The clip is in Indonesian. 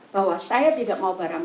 bahwa saya tidak mau barang